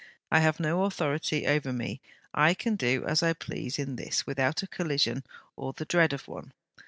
I have no authority over me. I can do as I please, in this, without a collision, or the dread of one.